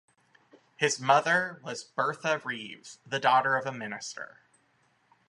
His mother was Bertha Reeves, the daughter of a minister.